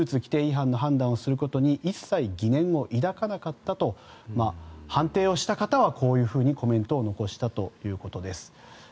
スーツ規定違反の判断をすることに一切疑念を抱かなかったと判定をした方はこうコメントを残したということです。